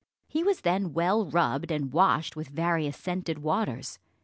He was then well rubbed and washed with various scented waters.